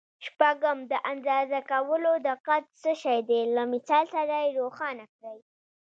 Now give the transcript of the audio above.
شپږم: د اندازه کولو دقت څه شی دی؟ له مثال سره یې روښانه کړئ.